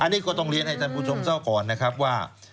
อันนี้ก็ต้องเรียนให้ท่านผู้ชมเศร้าก่อนนะครับว่า